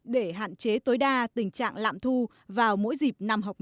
để hạn chế tối đa tình trạng lạm thu vào mỗi dịp năm học mới